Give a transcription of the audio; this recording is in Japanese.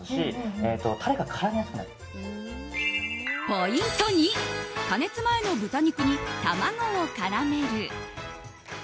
ポイント２加熱前の豚肉に卵を絡める。